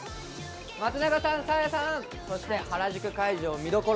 松永さんサーヤさんそして原宿会場見どころ